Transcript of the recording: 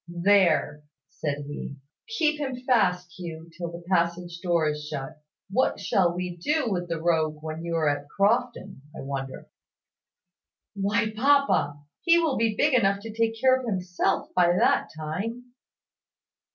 "There!" said he. "Keep him fast, Hugh, till the passage door is shut. What shall we do with the rogue when you are at Crofton, I wonder?" "Why, papa! He will be big enough to take care of himself by that time."